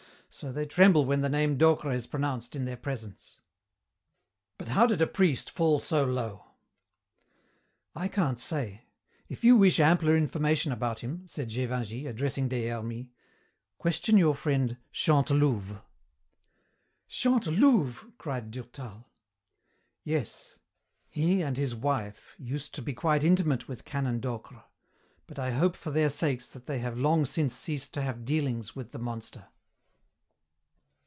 So they tremble when the name Docre is pronounced in their presence." "But how did a priest fall so low?" "I can't say. If you wish ampler information about him," said Gévingey, addressing Des Hermies, "question your friend Chantelouve." "Chantelouve!" cried Durtal. "Yes, he and his wife used to be quite intimate with Canon Docre, but I hope for their sakes that they have long since ceased to have dealings with the monster."